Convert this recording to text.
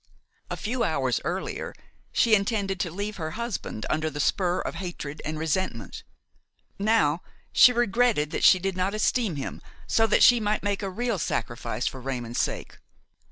A few hours earlier, she intended to leave her husband under the spur of hatred and resentment; now, she regretted that she did not esteem him so that she might make a real sacrifice for Raymon's sake.